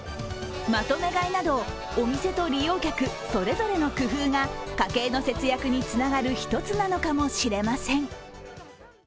まとめ買いなど、お店と利用客それぞれの工夫が家計の節約につながる１つなのかもしれません。